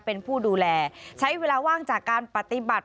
เป็นผู้ดูแลใช้เวลาว่างจากการปฏิบัติ